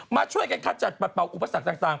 มาช่วยกันขจัดปัดเป่าอุปสรรคต่าง